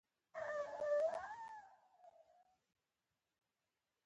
د ښوونیز نظام دروازې د ټولو پرمخ پرانېستل شوې.